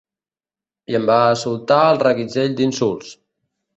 I em va soltar el reguitzell d’insults.